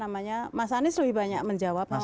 mas anies lebih banyak menjawab